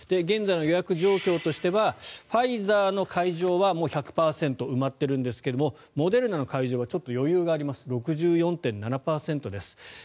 現在の予約状況としてはファイザーの会場は１００％埋まっていますがモデルナの会場はちょっと余裕があります６４．７％です。